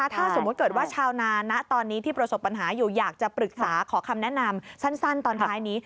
ถ้าสมมุติเกิดว่าชาวนานะตอนนี้ที่ประสบปัญหาอยู่อยากจะปรึกษาขอคำแนะนำสั้นตอนท้ายนี้